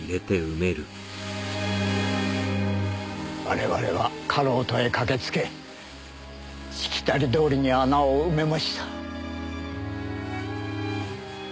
我々はかろうとへ駆けつけしきたりどおりに穴を埋めました。